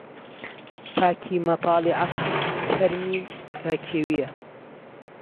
پاکی مهتاڵی عهسڵ چەرمی گاکێوييه